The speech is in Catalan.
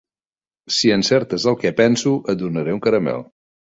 Si encertes el que penso, et donaré un caramel.